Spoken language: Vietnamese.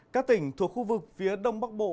các tỉnh thuộc khu vực phía đông bắc bộ